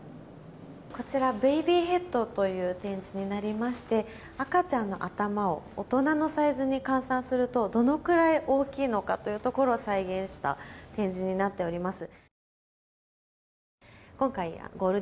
ベイビーヘッドという展示になりまして赤ちゃんの頭を大人のサイズに換算するとどのくらい大きいのかというところを再現した展示になっています。